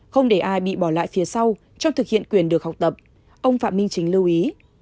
không để ai bị bỏ lại phía sau trong thực hiện quyền được học tập ông phạm minh chính lưu ý